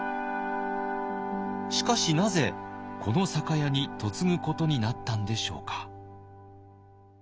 しかしなぜこの酒屋に嫁ぐことになったんでしょうか。